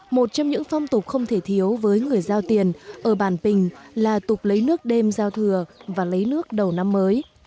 một trong những phong tục không thể thiếu với người giao tiền ở bản pình là tục lấy nước đêm giao thừa và lấy nước đầu năm mới